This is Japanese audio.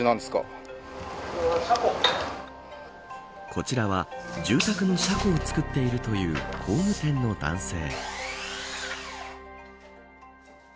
こちらは住宅に車庫を作っているという工務店の男性。